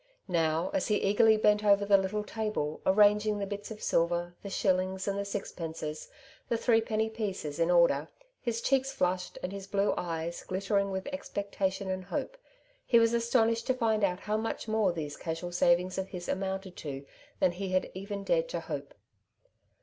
Now as he eagerly bent over the little table, arranging the bits of silver, the shillings, and the sixpences, the threepenny pieces, in order, his cheeks flushed, and his blue eyes glittering with expectation and hope, he was astonished to find out how much more these casual savings of his amounted to than he had even dared to hope.